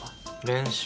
練習。